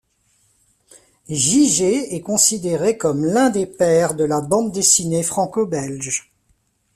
Jijé est considéré comme l'un des pères de la bande dessinée franco-belge.